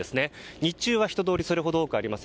日中は人通りそれほど多くありません。